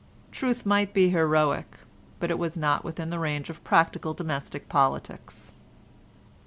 Truth might be heroic, but it was not within the range of practical domestic politics.